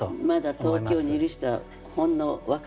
まだ東京にいる人はほんの若葉。